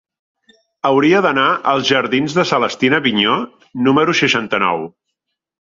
Hauria d'anar als jardins de Celestina Vigneaux número seixanta-nou.